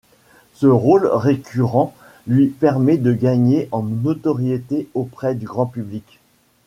Ce rôle récurrent lui permet de gagner en notoriété auprès du grand public.